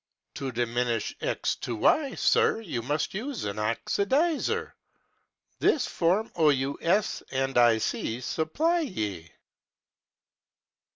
210 To diminish x to y, sir. You must use an oxidiser ; This from ous an ic supplies ye.